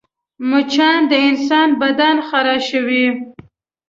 مچان د انسان بدن خارشوي